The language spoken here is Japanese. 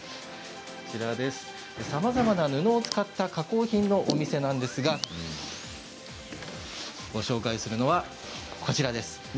さまざまな布を使った加工品のお店なんですがご紹介するのはこちらです。